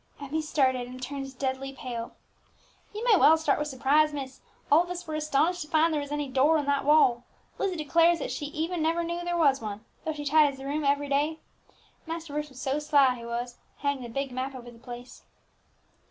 Emmie started, and turned deadly pale. "You may well start with surprise, miss; all of us were astonished to find there was any door in that wall. Lizzie declares that even she never knew that there was one, though she tidies the room every day. Master Bruce was so sly he was hanging the big map over the place!"